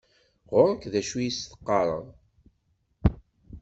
Γur-k d acu i as-teqqareḍ.